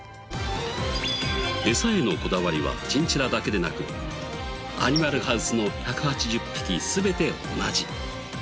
エサへのこだわりはチンチラだけでなくアニマルハウスの１８０匹全て同じ。